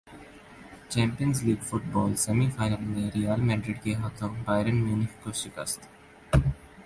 champions League football semi final میں Real Madrid کے ہاتھوں بائرن میونخ کو شکست